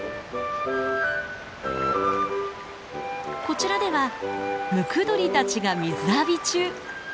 こちらではムクドリたちが水浴び中。